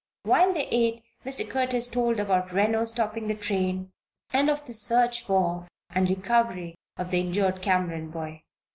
While they ate Mr. Curtis told about Reno stopping the train, and of the search for and recovery of the injured Cameron boy.